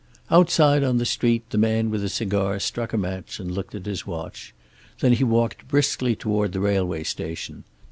Outside, on the street, the man with the cigar struck a match and looked at his watch. Then he walked briskly toward the railway station.